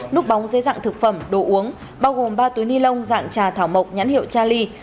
nút bóng dây dạng thực phẩm đồ uống bao gồm ba túi ni lông dạng trà thảo mộc nhãn hiệu charlie